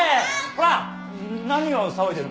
こら何を騒いでるんだ？